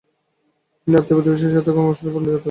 তিনি আত্মীয় ও প্রতিবেশীদের সাথে গঙ্গাশ্বরে পূণ্যযাত্রা করেন।